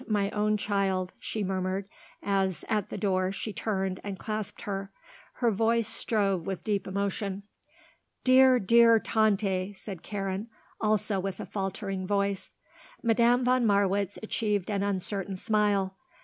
my own child!" she murmured, as, at the door, she turned and clasped her. Her voice strove with deep emotion. "Dear, dear Tante," said Karen, also with a faltering voice. Madame von Marwitz achieved an uncertain smile.